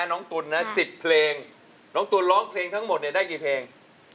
ตุ๋นนะ๑๐เพลงน้องตุ๋นร้องเพลงทั้งหมดเนี่ยได้กี่เพลง